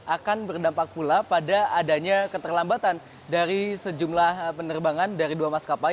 akan berdampak pula pada adanya keterlambatan dari sejumlah penerbangan dari dua maskapai